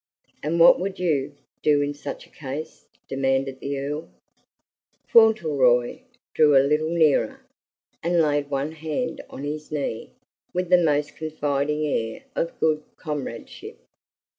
"And what would YOU do in such a case?" demanded the Earl. Fauntleroy drew a little nearer, and laid one hand on his knee, with the most confiding air of good comradeship.